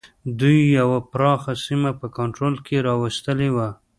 دوی یوه پراخه سیمه په کنټرول کې را وستلې وه.